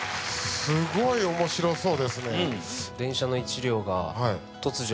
すごい面白そうですね